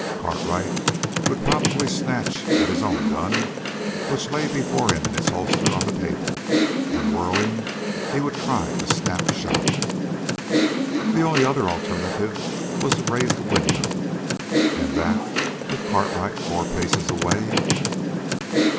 Cartwright would probably snatch at his own gun which lay before him in its holster on the table, and whirling he would try a snap shot. The only other alternative was to raise the window and that with Cartwright four paces away!